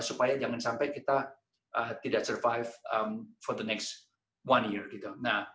supaya jangan sampai kita tidak bertahan selama satu tahun